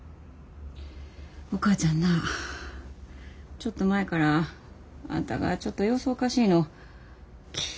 お母ちゃんなちょっと前からあんたがちょっと様子おかしいの気ぃ